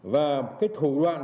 và cái thủ đoạn